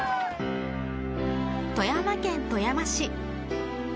富山県富山市。